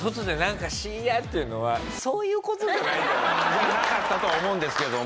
じゃなかったとは思うんですけども。